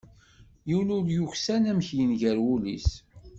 Yiwen ur yuksan amek yenger wul-is.